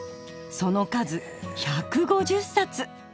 その数１５０冊！